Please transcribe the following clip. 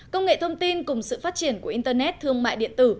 công nghệ thông tin cùng sự phát triển của internet thương mại điện tử